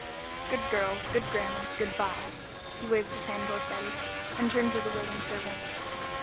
"Good girl. Good grammar. Good by." He waved his hand toward Betty, and turned to the waiting servant.